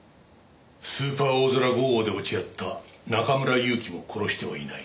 スーパーおおぞら５号で落ち合った中村祐樹も殺してはいない。